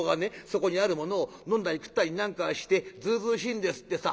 そこにあるものを飲んだり食ったりなんかしてずうずうしいんですってさ。